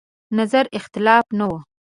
نظر اختلاف نه و.